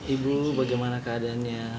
ibu bagaimana keadaannya